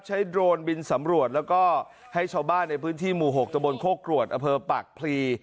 โดรนบินสำรวจแล้วก็ให้ชาวบ้านในพื้นที่หมู่๖ตะบนโคกรวดอเภอปากพลี